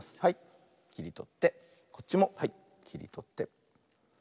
はいきりとってこっちもきりとって。